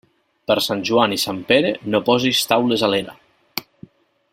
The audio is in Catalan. Per Sant Joan i Sant Pere, no posis taules a l'era.